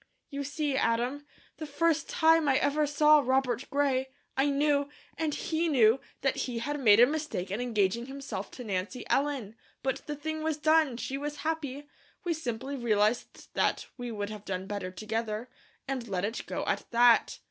"You see Adam, the first time I ever saw Robert Gray, I knew, and he knew, that he had made a mistake in engaging himself to Nancy Ellen; but the thing was done, she was happy, we simply realized that we would have done better together, and let it go at that.